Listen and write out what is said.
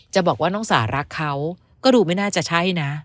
จะบอกว่าน้องสารักเขาก็ดูไม่น่าจะใช่นะ